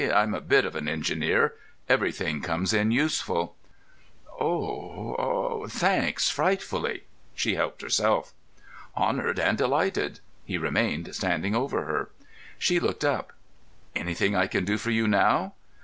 "I'm a bit of an engineer. Everything comes in useful." "Oh—thanks frightfully." She helped herself. "Honoured and delighted." He remained standing over her. She looked up. "Anything I can do for you, now?"